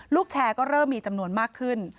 แชร์ก็เริ่มมีจำนวนมากขึ้น